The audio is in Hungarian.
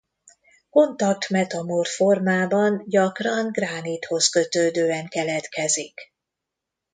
Kontakt metamorf formában gyakran gránithoz kötődően keletkezik.